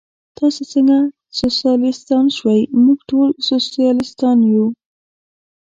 تاسې څنګه سوسیالیستان شوئ؟ موږ ټول سوسیالیستان یو.